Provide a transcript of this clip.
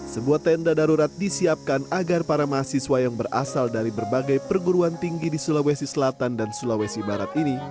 sebuah tenda darurat disiapkan agar para mahasiswa yang berasal dari berbagai perguruan tinggi di sulawesi selatan dan sulawesi barat ini